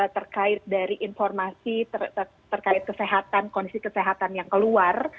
terkait dari informasi terkait kesehatan kondisi kesehatan yang keluar